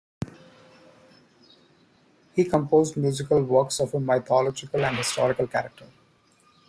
He composed musical works of a mythological and historical character.